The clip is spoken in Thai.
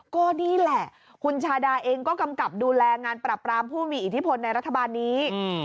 ก็นี่แหละคุณชาดาเองก็กำกับดูแลงานปรับรามผู้มีอิทธิพลในรัฐบาลนี้